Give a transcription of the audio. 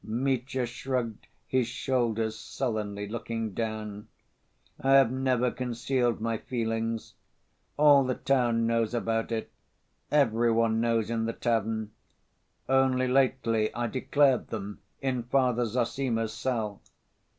Mitya shrugged his shoulders sullenly, looking down. "I have never concealed my feelings. All the town knows about it—every one knows in the tavern. Only lately I declared them in Father Zossima's cell....